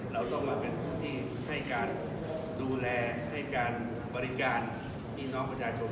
เราต้องมาเป็นผู้ที่ให้การดูแลให้การบริการพี่น้องประชาชน